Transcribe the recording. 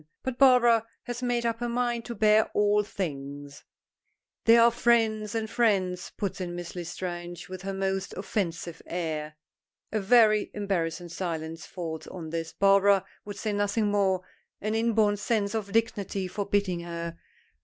But Barbara has made up her mind to bear all things. "There are friends and friends," puts in Miss L'Estrange with her most offensive air. A very embarrassing silence falls on this, Barbara would say nothing more, an inborn sense of dignity forbidding her.